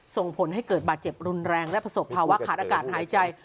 ส่งผลให้เกิดบาดเจ็บรุนแรงและประสบภาวะขาดอากาศหายใจ